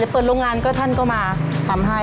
เปิดโรงงานก็ท่านก็มาทำให้